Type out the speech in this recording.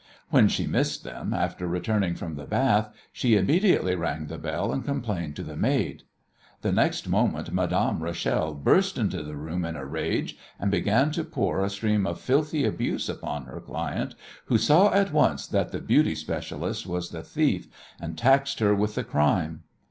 When she missed them after returning from the bath, she immediately rang the bell and complained to the maid. The next moment Madame Rachel burst into the room in a rage and began to pour a stream of filthy abuse upon her client, who saw at once that the "beauty specialist" was the thief, and taxed her with the crime.